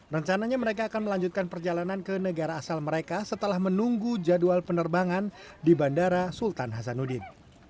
rencananya mereka akan melanjutkan perjalanan ke negara asal mereka setelah menunggu jadwal penerbangan di bandara sultan hasanuddin